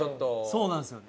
そうなんですよね。